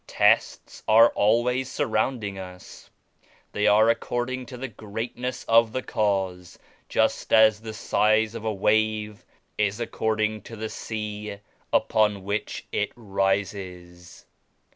Tests are always surrounding us. They are according to the greatness of the Cause, just as the size of a wave is according to the sea upon which it rises."